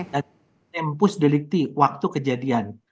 dan tempus delikti waktu kejadian